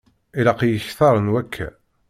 Ilaq-iyi kter n wakka.